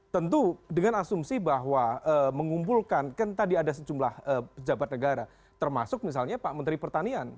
tentu dengan asumsi bahwa mengumpulkan kan tadi ada sejumlah pejabat negara termasuk misalnya pak menteri pertanian